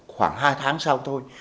khoảng hai tháng sau thôi